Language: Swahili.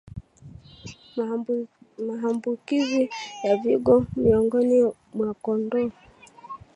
Maambukizi ya figo miongoni mwa kondoo